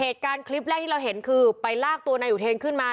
เหตุการณ์คลิปแรกที่เราเห็นคือไปลากตัวนายอุเทนขึ้นมา